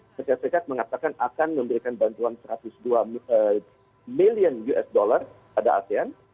amerika serikat mengatakan akan memberikan bantuan satu ratus dua million us dollar pada asean